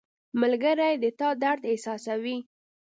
• ملګری د تا درد احساسوي.